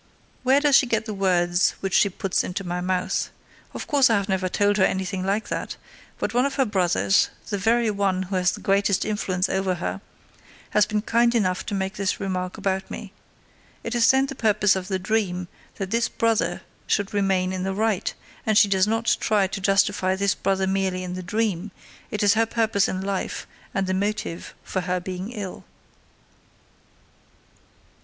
Where does she get the words which she puts into my mouth? Of course I have never told her anything like that, but one of her brothers, the very one who has the greatest influence over her, has been kind enough to make this remark about me. It is then the purpose of the dream that this brother should remain in the right; and she does not try to justify this brother merely in the dream; it is her purpose in life and the motive for her being ill.